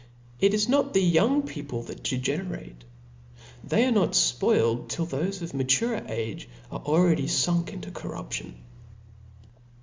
It is not the young people that degenerate : they are not fpoilt till thofe of maturcr age are already funk into corruption.